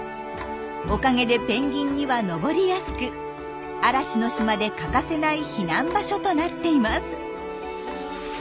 おかげでペンギンには登りやすく嵐の島で欠かせない避難場所となっています。